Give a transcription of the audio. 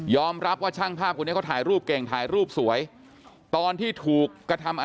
รับว่าช่างภาพคนนี้เขาถ่ายรูปเก่งถ่ายรูปสวยตอนที่ถูกกระทำ